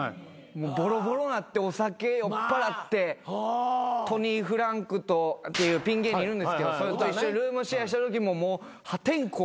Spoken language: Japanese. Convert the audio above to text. ぼろぼろなってお酒酔っぱらってトニーフランクっていうピン芸人いるんですけどそいつと一緒にルームシェアしてるときももう破天荒。